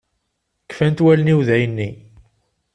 Kfan-t wallen-iw dayen-nni.